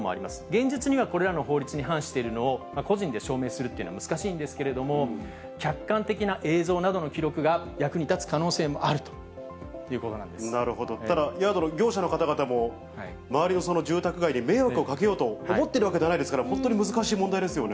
現実には、これらの法律に反しているのを、個人で証明するっていうのは難しいんですけれども、客観的な映像などの記録が役に立つ可能性もあなるほど、ただヤードの業者の方々も、周りの住宅街に迷惑をかけようと思っているわけではないですから、本当に難しい問題ですよね。